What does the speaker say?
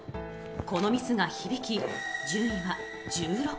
このミスが響き、順位は１６位。